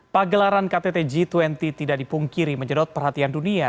pagelaran ktt g dua puluh tidak dipungkiri menyedot perhatian dunia